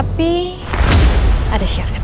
pada mau gak